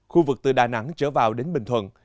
khu vực từ đà nẵng trở vào đến bình thuận